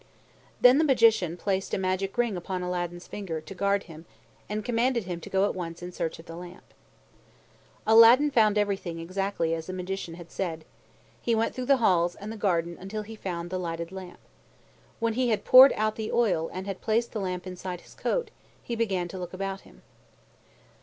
Then the Magician placed a magic ring upon Aladdin's finger, to guard him, and commanded him to go at once in search of the lamp. Aladdin found everything exactly as the Magician had said. He went through the halls and the garden until he found the lighted lamp. When he had poured out the oil and had placed the lamp inside his coat, he began to look about him.